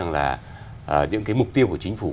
những mục tiêu của chính phủ